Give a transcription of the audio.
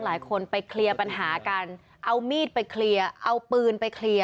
หลายคนไปเคลียร์ปัญหากันเอามีดไปเคลียร์เอาปืนไปเคลียร์